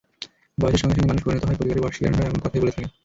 বয়সের সঙ্গে সঙ্গে মানুষ পরিণত হয়— পরিবারের বর্ষীয়ানরা এমন কথাই বলে থাকেন।